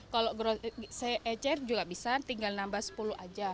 kalau saya ecer juga bisa tinggal nambah sepuluh aja